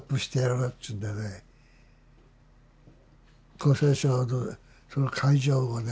厚生省のその会場をね